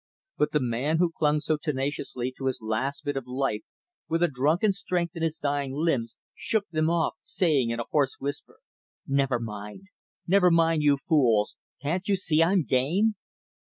But the man who clung so tenaciously to his last bit of life, with a drunken strength in his dying limbs, shook them off, saying in a hoarse whisper, "Never mind! Never mind you fools can't you see I'm game!"